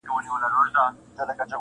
په عزت یې وو دربار ته وربللی!.